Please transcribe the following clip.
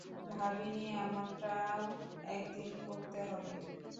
ভাবিনি এমনটা ও একদিন করতে হবে।